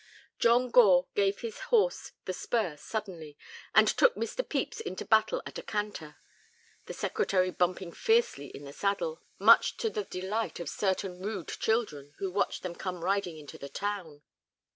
John Gore gave his horse the spur suddenly, and took Mr. Pepys into Battle at a canter, the Secretary bumping fiercely in the saddle, much to the delight of certain rude children who watched them come riding into the town.